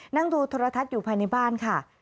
นั่งดูโทรทัศน์อยู่ภายในบ้านค่ะ